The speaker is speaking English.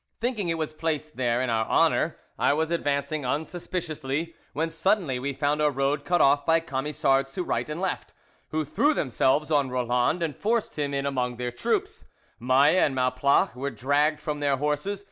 "Thinking it was placed there in our honour, I was advancing unsuspiciously, when suddenly we found our road cut off by Camisards to right and left, who threw themselves on Roland and forced him in among their troops. Maille and Malplach were dragged from their horses.